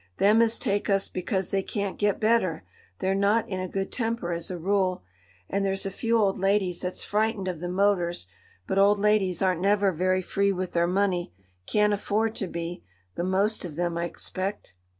Them as take us because they can't get better, they're not in a good temper, as a rule. And there's a few old ladies that's frightened of the motors, but old ladies aren't never very free with their money—can't afford to be, the most of them, I expect."